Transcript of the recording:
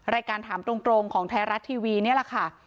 รายการถามตรงของไทยรัฐทีวีนี่แหละค่ะ